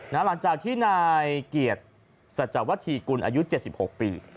หลังจากที่นายเกียรติสัจวธีกุลอายุ๗๖ปี